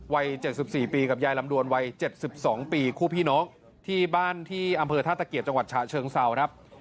วัยเจ็ดสิบสี่ปีกับยายลำดวนวัยเจ็ดสิบสองปีคู่พี่น้องที่บ้านที่อำเภอท่าตะเกียจังหวัดชะเชิงเศร้านะครับ